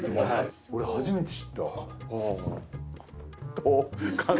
俺初めて知った。